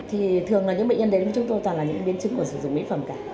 thì thường là những bệnh nhân đến với chúng tôi toàn là những biến chứng của sử dụng mỹ phẩm cả